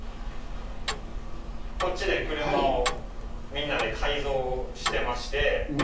こっちで車をみんなで改造してまして。